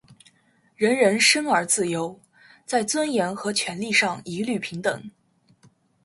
人人生而自由，在尊严和权利上一律平等。